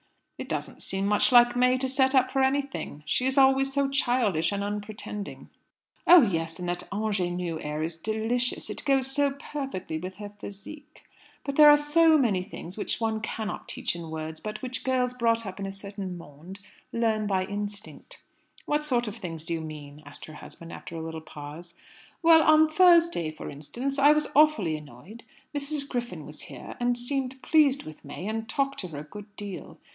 "It doesn't seem much like May to set up for anything: she is always so childish and unpretending." "Oh yes; and that ingénue air is delicious: it goes so perfectly with her physique. But there are so many things which one cannot teach in words, but which girls brought up in a certain monde learn by instinct." "What sort of things do you mean?" asked her husband after a little pause. "Well, on Thursday, for instance, I was awfully annoyed. Mrs. Griffin was here, and seemed pleased with May, and talked to her a good deal.